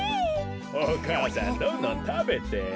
お母さんどんどんたべてよ。